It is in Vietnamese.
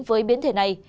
với biến thể này